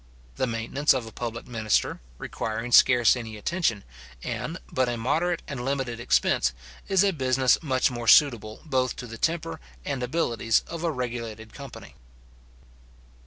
The maintenance of a public minister, requiring scarce any attention, and but a moderate and limited expense, is a business much more suitable both to the temper and abilities of a regulated company.